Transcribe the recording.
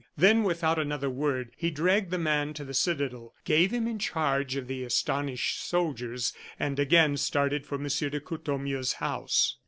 Then, without another word, he dragged the man to the citadel, gave him in charge of the astonished soldiers, and again started for M. de Courtornieu's house.